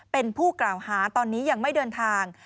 เป็นผู้กล่าวหาตอนนี้ยังไม่เดินทาง